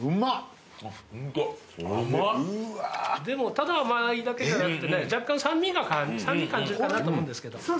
でもただ甘いだけじゃなくてね若干酸味感じるかなと思うんですけど。